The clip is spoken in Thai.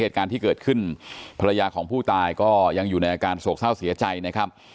เหตุการณ์ที่เกิดขึ้นภรรยาของผู้ตายก็ยังอยู่ในอาการโศกเศร้าเสียใจนะครับ